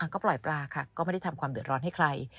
ก็ปล่อยปลาค่ะก็ไม่ได้ทำความเดือดร้อนให้ใคร